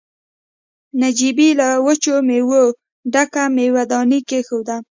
نجيبې له وچو مېوو ډکه مېوه داني کېښوده.